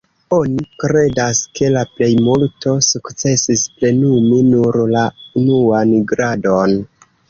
Oni kredas, ke la plejmulto sukcesis plenumi nur la "unuan gradon".